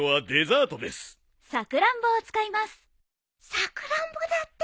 サクランボだって。